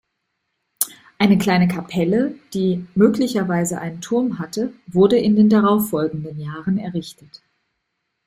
Eine kleine Kapelle, die möglicherweise einen Turm hatte, wurde in den darauffolgenden Jahren errichtet.